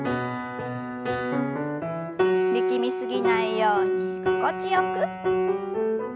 力み過ぎないように心地よく。